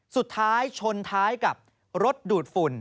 สุดท้ายชนท้ายกับรถดูดฝุ่น